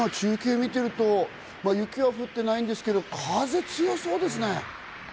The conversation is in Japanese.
中継見ていると雪は降っていないんですけれども、風が強そうですね。